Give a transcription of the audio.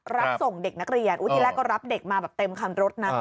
รับส่งเด็กนักเรียนที่แรกก็รับเด็กมาแบบเต็มคันรถนะ